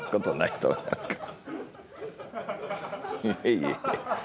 いえいえ。